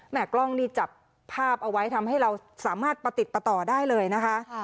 กล้องนี่จับภาพเอาไว้ทำให้เราสามารถประติดประต่อได้เลยนะคะ